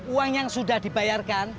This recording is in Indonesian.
uang yang sudah dibayarkan